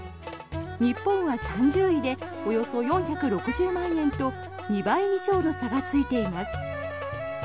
日本は３０位でおよそ４６０万円と２倍以上の差がついています。